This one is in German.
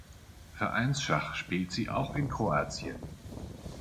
Vereinsschach spielt sie auch in Kroatien.